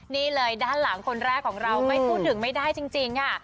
นี่เลยด้านหลังคนแรกของเราไม่พูดถึงไม่ได้จริงค่ะ